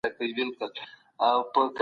موږ باید په خپلو خبرو کي استدلال ولرو.